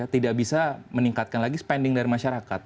tidak bisa meningkatkan lagi spending dari masyarakat